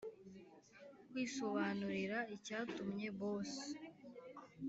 kwisobanurira icyatumye boss